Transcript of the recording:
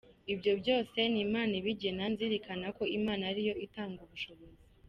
Ibyo byose ni Imana ibigena, nzirikana ko Imana ariyo itanga ubushobozi”.